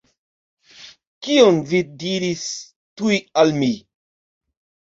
Kion vi diris tuj al mi?